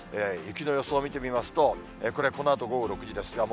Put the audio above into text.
雪の予想見てみますと、これ、このあと午後６時です。